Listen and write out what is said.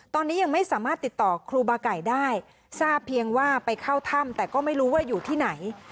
ตอนนี้ยังไม่สามารถติดต่อครูบาไก่ได้ทราบเพียงว่าไปเข้าถ้ำแต่ก็ไม่รู้ว่าอยู่ที่ไหน